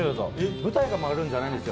舞台がじゃないんですよ。